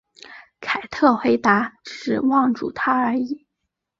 凯特回答只是望住他而已。